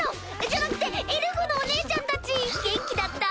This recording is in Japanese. じゃなくてエルフのお姉ちゃんたち元気だった？